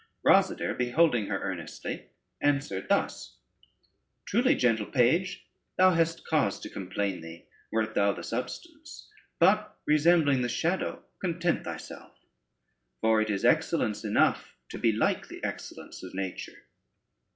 Rosader beholding her earnestly, answered thus: "Truly, gentle page, thou hast cause to complain thee wert thou the substance, but resembling the shadow content thyself; for it is excellence enough to be like the excellence of nature."